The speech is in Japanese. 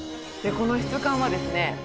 この質感はですね